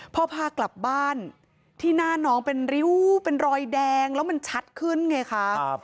พากลับบ้านที่หน้าน้องเป็นริ้วเป็นรอยแดงแล้วมันชัดขึ้นไงคะ